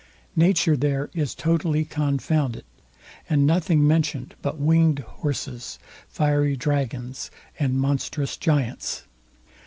Nature there is totally confounded, and nothing mentioned but winged horses, fiery dragons, and monstrous giants.